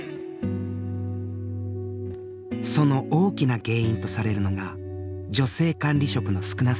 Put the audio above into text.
その大きな原因とされるのが女性管理職の少なさだ。